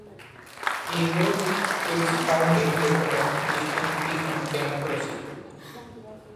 He wrote its founding document, "Christianity and Democracy".